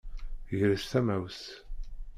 Gret tamawt!